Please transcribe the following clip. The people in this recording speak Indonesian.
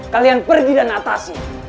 kalian pergi dan atasi